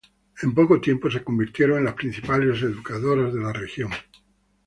En poco tiempo se convirtieron en las principales educadoras de la región.